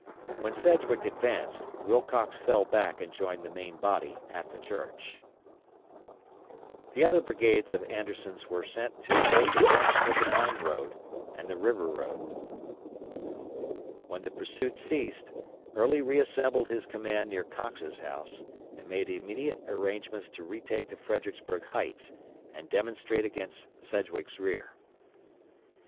When Sedgwick advanced Wilcox fell back and joined the main body at the church. The other brigades of Anderson's were sent to hold the junction of the Mine road and the River road. When the pursuit ceased, Early reassembled his command near Cox's house and made immediate arrangements to retake the Fredericksburg heights, and demonstrate against Sedgwick's rear.